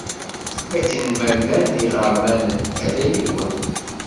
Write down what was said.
Akken ma llan d iɣermanen, ala yiwen.